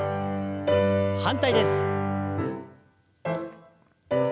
反対です。